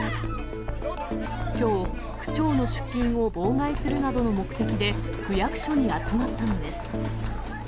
きょう、区長の出勤を妨害するなどの目的で区役所に集まったのです。